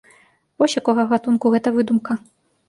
Вось якога гатунку гэта выдумка.